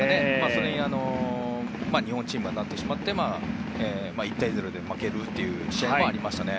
それに日本チームがはまってしまって１対０で負けるという試合もありましたね。